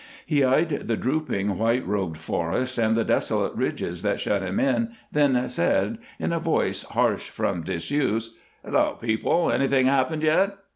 He eyed the drooping, white robed forest and the desolate ridges that shut him in, then said, in a voice harsh from disuse: "Hello, people! Anything happened yet?"